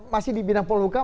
masih di binang pola hukum